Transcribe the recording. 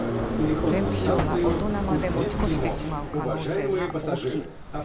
便秘症が大人まで持ち越してしまう可能性が大きい。